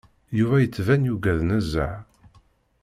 Yuba yettban yugad nezzeh.